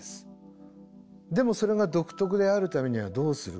でもそれが独特であるためにはどうするか。